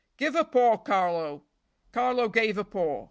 Give a paw, Carlo." Carlo gave a paw.